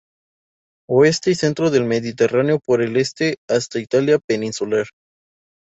Oeste y centro del Mediterráneo, por el este hasta Italia peninsular.